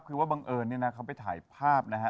คือว่าบังเอิญเนี่ยนะเขาไปถ่ายภาพนะฮะ